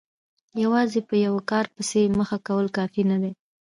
یوازې په یوه کار پسې مخه کول کافي نه دي.